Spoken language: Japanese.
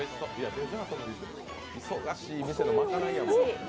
忙しい店のまかないや。